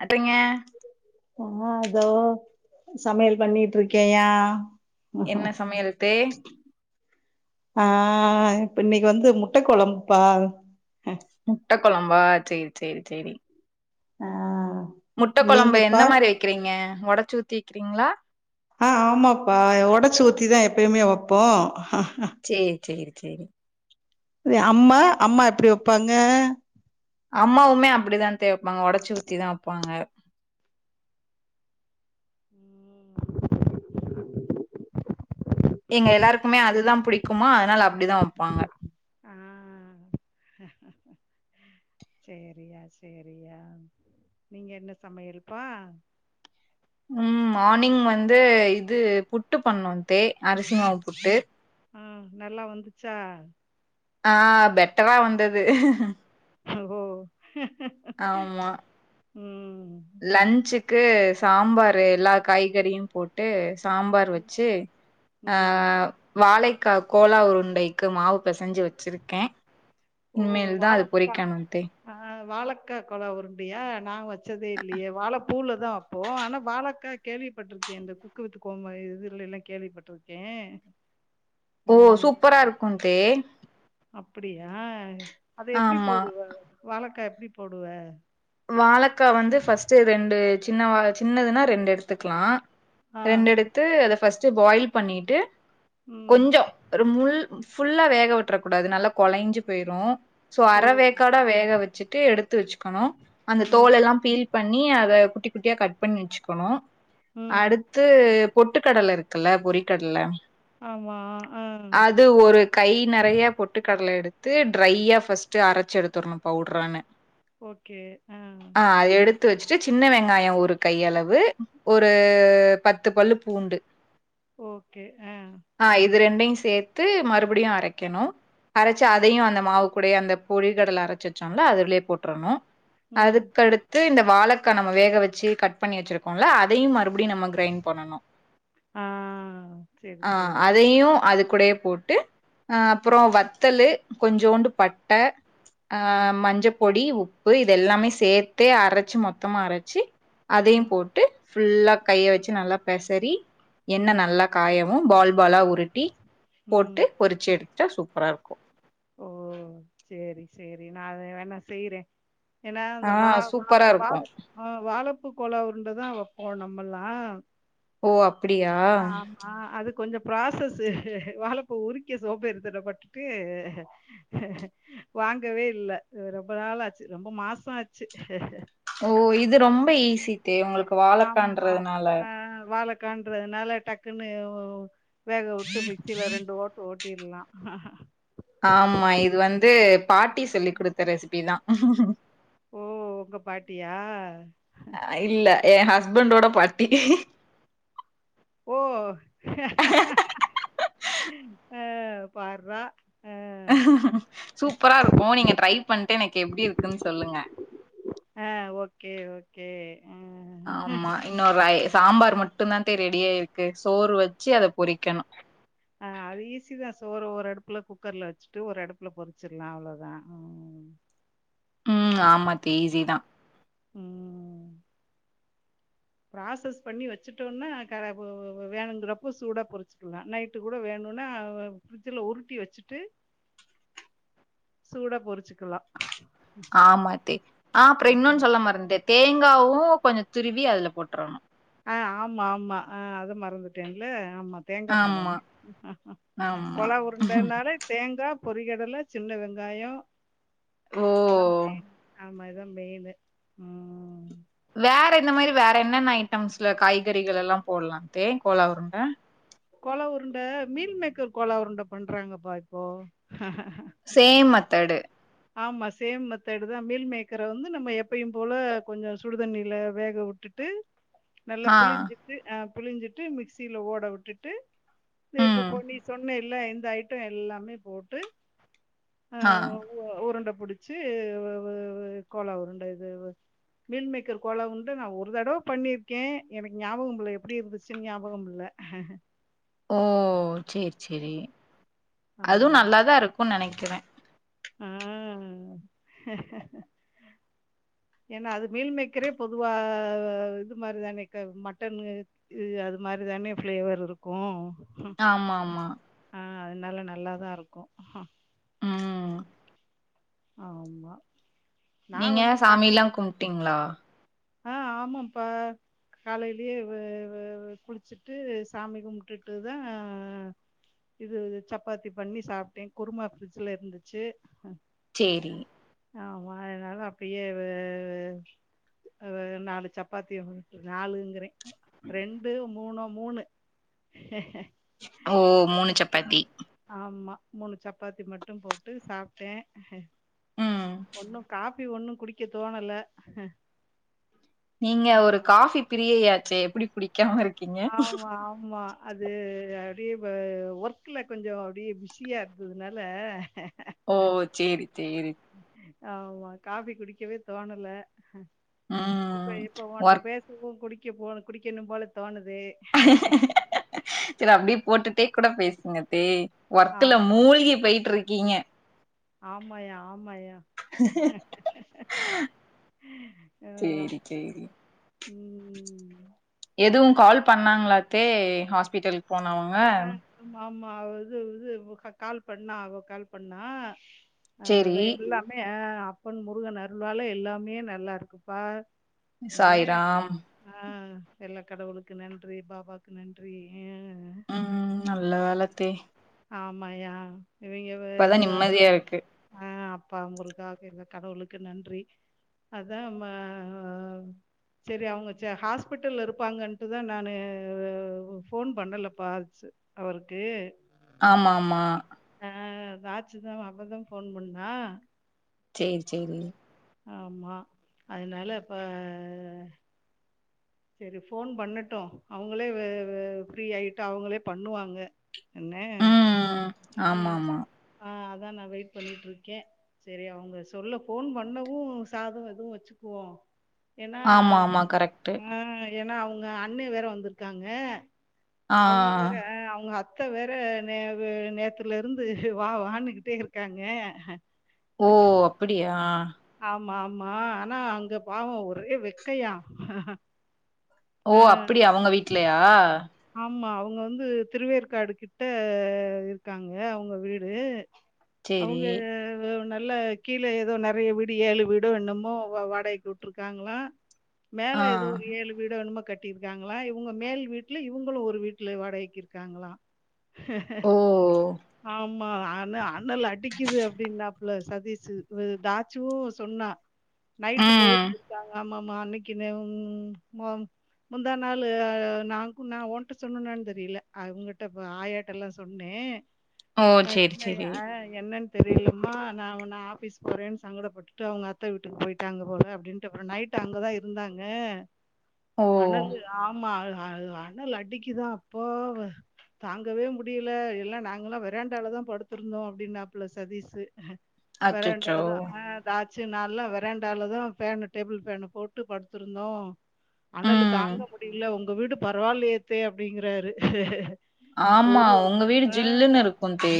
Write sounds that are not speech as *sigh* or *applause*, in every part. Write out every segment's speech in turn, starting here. அத்தைங்க ஆஹ் அதோ சமையல் பண்ணிட்டு இருக்கேயா என்ன சமையல் தே ஆஹ் இப்ப இன்னைக்கு வந்து முட்டை குழம்புப்பா முட்டை குழம்பா செரி செரி செரி ஆஹ் முட்டை கொழம்பு எந்த மாரி வைக்கிறீங்க உடச் சுத்திக்கிறீங்களா ஆஹ் ஆமாப்பா உடைச்சு ஊத்திதான் எப்பயுமே வைப்போம் செரி செரி செரி அம்மா அம்மா எப்படி வைப்பாங்க அம்மாவுமே அப்படிதான் தே வைப்பாங்க உடச்சி ஊத்திதான் வைப்பாங்க *unintelligible* எங்க எல்லாருக்குமே அதுதான் புடிக்குமா அதனால அப்படிதான் வைப்பாங்க ஆஹ் சொரியா செரியா நீங்க என்ன சமையல்ப்பா உம் மார்னிங் வந்து இது புட்டு பண்ணும் தே அரிசி மா புட்டு ஆஹ் நல்லா வந்துச்சா ஆஹ் பெட்டரா வந்தது ஓ ஆமா உம் லன்ச்சுக்கு சாம்பார் எல்லா காய்கறியும் போட்டு சாம்பார் வச்சு ஹ ம் வாழை கோலா உருண்டைக்கு மாவுப்ப பெசஞ்சு வச்சிருக்கேன் ஓ வாழக்கா ஆஹ் வாழக்கா கொல உருண்டியா நா வச்சதே இல்லையே வாழ பூவுலதா வப்போம் ஆனா வாழைக்கா கேள்விப்பட்டிருக்கேன் இந்த குக்கு வித்து கோம இதுல எல்லாம் கேள்விப்பட்டிருக்கே ஓ சூப்பரா இருக்கும் தே அப்படியா அத எப்படி ஆமா போடு வாழக்கா எப்படி போடுவ வாழக்கா வந்து பஸ்ட்டு ரெண்டு சின்னவ சின்னதுன்னா ரெண்டு எடுத்துக்கலாம். ஆ, ரெண்டு எடுத்து அத பஸ்ட். பஸ்ட் பாயில் பண்ணிட்டு. ம். கொஞ்சம் ஒரு முள். ஃபுல்லா வேக விட்டுரக் கூடாது நல்லா கொலைஞ்சு போயிரும். சோ ஓ! அற வேக்காடா வேக வச்சுட்டு எடுத்து. த்து வச்சுக்கணும். அந்த ம், தோல எல்லாம் ஃபீல் பண். நீ அத குட்டி குட்டியா கட் பண்ணி வச்சுக்கணும். ம். அடுத்து பொட்டுக்கடல இருக்கு. குல பொறிக்கடல. ஆமா. ஆ. அது ஒரு கை நிறைய பொட்டு கடல எடுத்து. த்து ட்ரையா ஃபர்ஸ்ட்டு அரைச்சு எடுத்துரணும் பவுடரான. ஓகே ஆஹ. த்து வச்சுட்டு சின்ன வெங்காயம் ஒரு கையளவு ஒரு பத்து பல்லு பூண்டு. ஓகே. ஆ. ஆஹ இது ரெண்டையும் சேத். மறுபடியும் அரைக்கணும். அரைச்சு ம், அதையும் அந்த மாவுக்கு. கூடயே அந்த பொடிகடல அரைச்சு வச்சோம்ல அதுலயே போட்டுறணும். ம். அதுக்கடுத்து இந்த வாழக். கா நம்ம வேக வச்சு கட் பண்ணி வச்சிருக்கோம்ல அது. அதையும் மறுபடியும் நம்ம கிரைண்ட் பண்ணணும். ஆ. சரி, ஆஹ சரி. அதையும் அதுக்கூடையே. போட்டு. அஹ அப்புறம் வத்தலு. கொஞ்சூண்டு பட்ட. ம், அஹ் மஞ்சப்பொடி உப். இது எல்லாமே சேர்த்தே அரைச்சு மொத்தமா அரைச்சு. அதையும் ம், போட்டு ஃபுல்லா கைய வெச்சு நல்லா. பெசரி. யெண்ண ம், நல்லா காயவு பால். பாலா உருட்டி ம். போட்டு பொறிச்சி எடுத்துட்டா சூப்பராக இருக்கும். ஓ. சேரி சேரி நான் அத வேணா செய்றேன். எனா அந்த ஆ வா வா சூப்பரா இருக்கு வாழு ஆஹ் வாழப்பூ கோலா உருண்ட தா வெப்போ நம் பல்லா ஓ அப்பிடியா கொஞ்சொ ப்ராசஸ் வாழப்பூ உறுக்கி சோம்பேறித்தனொபட்டுட்டூ வாங்கவே இல்ல ரொம்பொ நாளாச்சு ரொம்பொ மாஸ்சோ ஆச்சு ஓ இது ரொம்ப ஈசி தே உங்களுக் வாழக்காண்றதுனால காண்றதுனால டக்குன்னு வேக உட்டு மிக்சில ரெண்டு ஓட்டு ஓட் டில்லாம் ஆம்மா இது வந்தூ பாட்டி சொல்லி குடுத்தெ ரெசிபி தா ஓ உங்கொ பாட்டியா ஏ ஹஸ்பண்டோட பாட்டி ஓ ஆஹ் பார்றா ஆ சூப்புராருக்கும் நீங்கெ ட்ரை பண்ட்டு எனக்கு எப்டி இருக்குன் சொல்லுங்கெ கே ஆம்மா இன்னொர் ரைய்ஸ் சாம்பார் மட்டும் தான் ரெடியாயிருக்கு சோறு வெச்சு அத பொரிக்கணும் அஹ் அது ஈஸிதா சோறோ ஒர் அடுப்புல குக்கர்ல வச்சிட்டு ஒர் அடுப்புல பொற்ச்சிர்லா அவுளதா உம் ம் ஆமா தே ஈஸி தா உம் ப்ராசஸ் பண்ணி வச்சுட்டோன்னா கட அப்போ வேணுங்கிறப்போஸ் சூடா பொறிச்சிகிலா நைட்டு குட வேணுனா பிஃர்ஜ்ல உருட்டி வச்சிட்டு சூடா பொறிச்சிக்கிலா ஆம்மா அத்தே ஆஹ் அப்ரொ இன்னோன் ம் சொல்ல மரன்து தேங்க் அகாவு கொஞ்சொ துருவி அதுல போட்டுர்னும் ஆஹ் ஆம்மா ஆம்மா ஆஹ் அத மறந்துடேங்கிளே ஆமா தேங்காப் ஆமா போடனு ஆமா கொலா உருண்டேன்னாலே தேங்காப் பொறிகடல்லெ சின்ன வெங்காயோ ஓ அதாம் தேங்கா இம்மாரிதா மெயின்னு ஆஹ் வேற எந்தெ மாரி வேற என்னென்ன ஐட்டம்ஸ்ல காய்கறிகளில்லா போட்லா தேங் கோலா உருண்டெ கோலா உருண்டே மீல் மேக்கெர் கோலா உருண்ட பண்றாங்கப்பா இப்போ சேம் மத்தடு ஆம்மா சேம் மெத்தடு தான் மீல் மேக்கர வந்து நம்ம எப்பெயும் போல கொஞ்சொ சுடுதண்ணிலே வேக உட்டுட்டு நல்லெ ஆ புழிஞ்சிட்டு ஆஹ் புழிஞ்சிட்டு மிக்சில ஓட விட்டுட்டு தெ இப்பொ ம் போய் நீ சொன்னேல் இல்லெ இந்தெ ஐட்டோ எல்லாமே போட்டு ஆ, ஆஹ் உருண்டை பிடிச்சு கோலா உருண்டை இது மில் மேக்கர் கோலா உருண்ட நான் ஒரு தடவ பண்ணிருக்கேன் எனக்கு ஞாபகம் இல்ல எப்படி இருந்துச்சுன்னு ஞாபகம் இல்ல ஓஹ் சரி சரி அதுவும் ஆமா நல்லாதா இருக்கும்னு நினைக்கிறேன் ஆஹ் ஏன்னா அது மீல் மேக்கரே பொதுவா இது மாதிரி தானே மட்டன் இ அது மாதிரி தானே ஃபேளேவர் இருக்கு ஆமா ஆமா ஆஹ் அதனால நல்லாதான் இருக்கு ம் ஆமா நா நீங்க வந்து சாமி எல்லாம் கும்பிட்டீங்களா ஆஹ் ஆமாப்பா காலையிலயே குளிச்சுட்டு சாமி கும்பிட்டுட்டு தான் இது சப்பாத்தி பண்ணி சாப்பிட்டேன் குருமா ஃப்ரிட்ஜல இருந்துச்சு சரி ஆமா அதனாலா அப்படியே நாலு சப்பாத்தி நாலுங்கிறேன் ரெண்டு மூணு மூணு ஓ மூணு சப்பாத்தி ஆமா மூணு சப்பாத்தி மட்டு போட்டு சாப்பிட்டேன் ம் ஒண்ணும் காப்ப அப்பிடி ஒண்ணும் குடிக்க தோணல நீங்க ஒரு காபி பிரியையாச்சே எப்படி ஆமா ஆமா அது அப்படியே ஒர்க்கல கொஞ்ச அப்படியே பிஸியா இருந்ததுனால ஓஹ் சரி சரி ஆமா காபி குடிக்கவே தோணல இப்ப ம் இப்ப ஒண்ட ஒர்க் பேசவும் குடிக்க போ குடிக்கணும்பால தோனது சேரி அப்டியே போட்டுட்டு கூட பேசுங்க தே ஒர்க்குல மூழ்கி போயிட்டு இருக்கீங்க ஆமாயா ஆமாயா ஆ சேரி சேரி உம் எதுவு கால் பண்ணாங்ளா தே ஹஸ்பிட்டல் போனவங்க ஆமா இது இது கால் பண்ணா அவ கால் பண்ணா அஹ் அத சேரி எல்லாமே ஆஹ் அப்பன் முருகன் அருளால எல்லாமே நல்லா இருக்குபா இன்மே சாய்ராம் ஆஹ் எல்லா கடவுளுக்கு நன்றி பாபாக்கு நன்றி உம் நல்ல வேலத்தே ஆமாயா இவிங்க வேற நிம்மதியா வர்லாம் இருக்கு ஆ அப்பா முருகா எங்க கடவுளுக்கு நன்றி அத்தா செரி அவுங்க ஹாஸ்பிட்டல்ல இருப்பாங்கன்ட்டு தா நானு ஃபோன் பண்ணலப்பா அவருக்கு ஆமா ஆமா ஆஹ் தாச்சு தா அப்ப தா ஃபோன் பண்ணா சேரி சேரி ஆமா அதனால இப்ப செரி ஃபோன் பண்ணட்டு அவுங்களே ஃப்ரீ ஆயி அவுங்களே பண்ணுவாங்க என்னே ம் ஆமா ஆமா அதா நா வெயிட் பண்ணிட்டு இருக்கே செரி அவுங்க சொல்ல ஃபோன் பண்ணவு சாதோ எதுவு வச்சுக்குவோ ஆமா ஆமா கரெக்ட் உம் ஏன்னா அவு ங்க அண்ணே வேற வந்துருக்காங்க ஆ அவுங்க வேற அவுங்கத் அத்த வேற நே நேத்துல இருந்து வா வானுகிட்டே இருக்காங்க ஓ அப்டியா ஆமா ஆமா ஆனா அங்க பாவோ ஒரே வெக்கையா ஓ அப்டியா அவுங்க வீட்லயா ஆமா அவுங்க வந்து திருவேற்காடு கிட்ட இருக்காங்க அவுங்க வீடு சேரி அவுங்க நல்ல கீழே எதோ நெறைய வீடு ஏழு வீடோ என்னமோ வா வாடகைக்கு விட்டிருக்காங்களா ஆ மேல எதோ ஒரு ஏழு வீடோ என்னமோ கட் டி இருக்காங்களா இவங்க மேல் வீட் ட்ல இவங்களு ஒரு வீட்ல வாடகைக்கு இருக்காங்ளா ஓ ஆம் ம்மா அன அனல் அடிக்குது அப்டின்னாப்ல சதீஷு இவரு தாட்ச்சுவு சொன்னா நைட்டு ம் போயிருந்துருக்காங்க ஆமா மா அன்னைக்கு நே ம் மு முந்தா நாளு நான் நா ஓன்ட்ட சொன்னனான் தெரியல அவெங்கட்ட ப ஆயாட்டலா சொன்னே ஓ ஆஹ் சேரி என்ன சேரி ஆஹ் என்னனு தெரியலமா நா நா ஆபீஸ் போறேன்னு சங்கடப்பட்டுட்டு அவுங்க அத்த வீட்டுக்கு போயிட்டாங்க போல அப்டின்ட்டு அப்றோ நைட்டு அங்கதா இருந்தாங்க ஓ அனலு ஆமாஹ் *unintelligible* அனலடிக்கிதா அப்பா தாங்கவே முடியில எல்லா நாங்கல்லா வெறாண்டாலதா படுத்திருந்தோ அப்படின்னாப்புல சதீஷ் அச்சச்சோ வராண்டாலதா ஆ தா ச்சி நால்லா வெரண்டாலதான் ஃபேன் டேபிள் ஃபேன் போட்டு படுத்திருந்தோ அனலு ம் தாங்க முடியல ஒங் ங்க வீடு ப பரவாயில்லியத்தே அப்டிங்கிறாரு ஆமா ஒங்க வீடு ஜில்லுன்னு இருக்கும் தே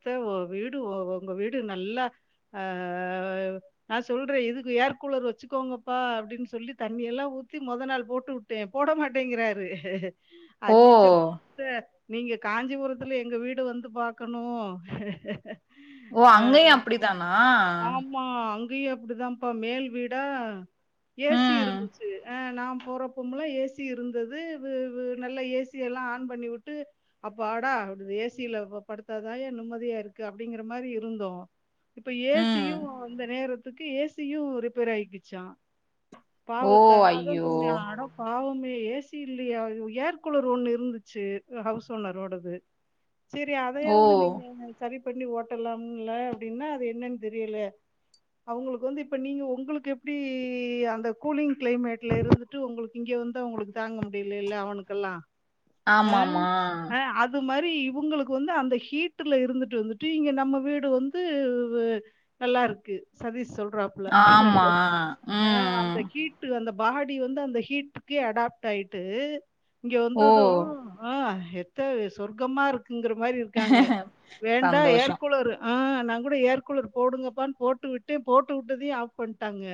த்தே ஓ வீடு ஒ ஒ ஒங்க வீடு நல்லா ஆஹ் நா சொல்றே எதுக்கு ஏர் கூலர் வச்சுக்கோங்கப்பா அப்டின்னு சொல்லி தண்ணி எல்லா ஊத்தி மொதநாள் போட்டு வுட்டே போட மாட்டேங்கிறாரு ஓ அஜிச்சோ த்த நீங்க காஞ்சிபுரத்துல எங்க வீடு வந்து பாக்கணு ஓ அங்கயு அப்படிதானா இங்கயு அப்டிதான்ப்பா மேல் வீடா ஏசி ம் இருந்துச்சு ஆஹ் நா போறப்போம்லா ஏ சி ஏ சி இருந்தது வி வு நல்ல ஏ சி எல்லா ஆன் பண்ணி வுட்டு அப்பாடா இது ஏ சி யில ப படுத்தாதான்யா நிம்மதியா இருக்கு அப்படிங்கிற மாரி இருந்தோ இப்ப ம் ஏசியு அந்த நேரத்து த்துக்கு ஏ சியு ரிப்பேர் ஆயிக்குச்சா ஓ பாவத்த நா அதா ஐயோ சொன்னே அட பாவ ஏ சி இல்லையா ஏர்கூலர் ஒண்ணு இருந்துச்சு ஹவுஸ் ஓனரோடது செரி ஓ அதையாவது நீங்க சரி பண்ணி ஓட்டலாம்ல அப்படின்னே அது என்னன்னு தெரியல அவங்களுக்கு வந்து இப்ப நீங்க உங்களுக்கு எப்டி அந்த கூலிங் கிளைமேட்ல இருந்துட்டு உங்களுக்கு இங்க வந் தா உங்களுக்கு தாங்க முடியலல்ல அவனுக்கெல்லா அ ஆமமா அ அது மாரி இவுங்களுக்கு வந்து அந்த ஹீட்ல இருந்துட்டு வந்துட்டு இங்க நம்ம வீடு வந்து வெ நல்லா இருக்கு சதீஷ் சொல் ராப்ல ஆமா. அ ம். அந்த ஹீட்டு அந்த பாடி வந்து அந்த ஹீட் பியே அடாப்ட் ஆயிட்டு இங்க ஓ! வந்தது ம்ஹ் எத்த சொர்கம்மா இருக் குங்ற மாரி இருக்காங்க வேண்டா சந்தோஷம். ஏர்குலரு ஆஹ் நாங்கூட ஏர்கூலர் போடுங்கப்பான் போட்டு விட்டே போட்டு விட்டதயு ஆஃப் பண்ட்டாங்க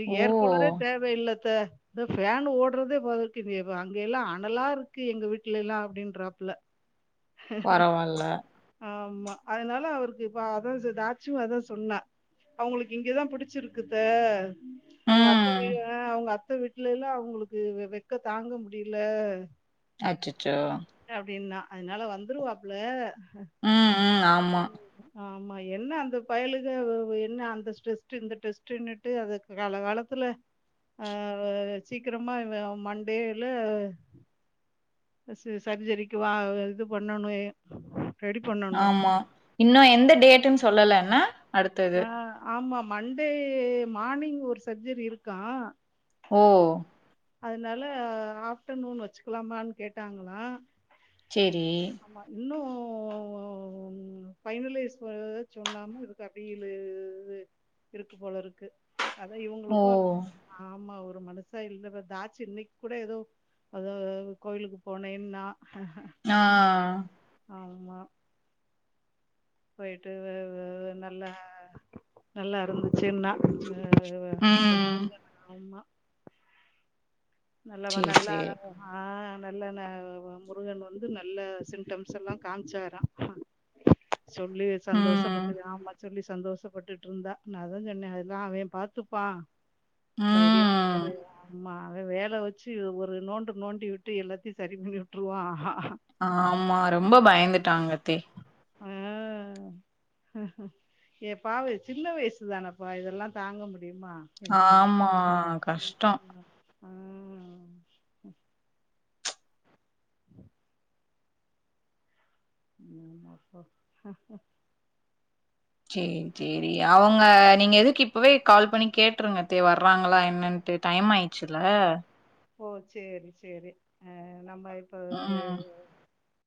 எ ஓ! ஏர்கூலரே தேவயில்ல த தஃப் பேனு ஓட்றதே பகக்கு இ அங்க எல்லா அனலாருக்கு எங்க வீட்லைலா அப்டின்றாப்ல பரவால்ல. ஆமா அதனால அவருக்கு இப்ப அதாது தாச்சு அதா சொன்னா அவங்களுக்கு இங்கதா பிடிச்சிருக்குத்த அவங்க அத்தை வீ ம். அ அவங்க அத் தவிட் இல்லைல்ல அவங்களுக்கு வெ வெக்க தாங்க முடியல அச்சச்சோ அப்படின்னா அதனால வந்துருவாப்ல உம் ஆமா ஆமா என்ன அந்த பயலுக அவ் என்ன அந்த ஸ்டெஸ்ட்டு இந்த டெஸ்ட்டுன்னுட்டு அது கால காலத்துல ஆஹ் சீக்கிரமா இவ மண்டேல சு சர்ஜரிக்கு வா இது பண்ணணு ஆமா இன்னு எந்த டேட்டுன் சொல்லல என்ன அடுத்தது ஆ ஆமா மண்டே மார்னிங் ஒரு சர்ஜரி இருக்கா ஓ அதனால அ ஆஃப்டர்நூன் வச்சுக்லாமான் கேட்டாங்களா செரி ஊவஊ பைனலைஸ் வருவத சொன்னாம இதுக்க வெயிலு இது இருட்டு போலருக்கு அதா ஓ! இவங்களுக்கு நம் ஆமா ஒர் ஒரு மனுசா இல்லற தாச்சு இன்னைக்கு கூட ஏதோ அதோ கோயிலுக்கு போனேன்னா ஆஹ் ஆமா பொயிட்டு வ வவ் நல்லா நல்லா இருந்துச்சின்னா உம் நல்லவ சரி, நல்லா சரி. ஆஹ் நல்ல னா வ வ முருகன் வந்து நல்ல சிம்டம்ஸ் எல்லா காமிசாரா சொல்லி ம், சந்தோஷப்பட்டுக் ஆமாச் சொல்லி சந்தோஷப்பட்டுட்டு இருந்தா நா அதா சொன்னே அதெல்லா அவ பாத்துப்பா தைரியமா ம். இரு ஆமா அவ வேல வெச்சு ஒரு நோன்டு நோண்டி விட்டு எல்லாத்தையு சரி பண்ணி விட்டுருவா ஹ ஆமா ரொம்ப பயந்துட்டாங்க தே ஆஹ் ஏ பாவு சின்ன வயசு தானேப்பா இதெல்லா தாங்க மு டியுமா என்ன ஆமா. கஷ்டம். ஆ ம் அப்போ சேரி சேரி அவங்க நீங்க எதுக்கு இப்பவே கால் பண்ணி கேட்டுருங்க தே வர்றாங்களா என்னட்டு டைம் ஆயிடுச்சுல ஓ சேரி சேரி ஆஹ் நம்ம இப்ப இந்து ம் இது